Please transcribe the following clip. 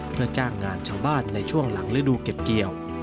เพื่อจ้างงานชาวบ้านในช่วงหลังฤดูเก็บเกี่ยว